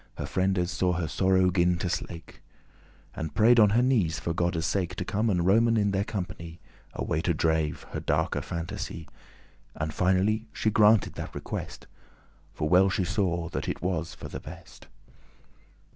Her friendes saw her sorrow gin to slake,* *slacken, diminish And prayed her on knees for Godde's sake To come and roamen in their company, Away to drive her darke fantasy; And finally she granted that request, For well she saw that it was for the best.